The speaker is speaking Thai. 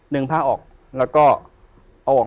ผ้าออกแล้วก็เอาออก